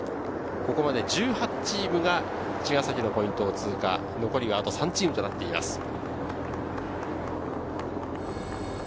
ここまで１８チームが茅ヶ崎のポイントを通過、残りはあと３チームとなっています。